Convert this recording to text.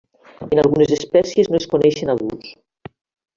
En algunes espècies no es coneixen adults.